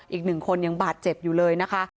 อีกหนึ่งคนยังบาดเจ็บอยู่เลยนะคะ